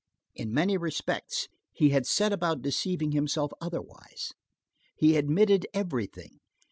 In many respects, he had set about deceiving himself otherwise. He admitted everything.